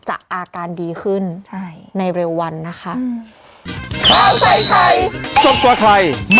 อาการดีขึ้นในเร็ววันนะคะ